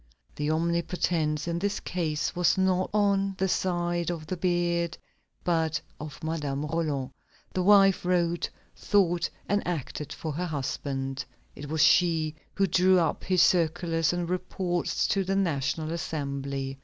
The omnipotence in this case was not on the side of the beard, but of Madame Roland. The wife wrote, thought, and acted for her husband. It was she who drew up his circulars and reports to the National Assembly.